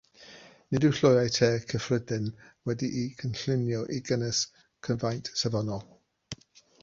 Nid yw'r llwyau te cyffredin wedi'u cynllunio i gynnwys cyfaint safonol.